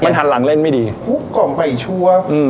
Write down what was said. มันหันหลังเล่นไม่ดีคุกกล่อมไปชัวร์อืม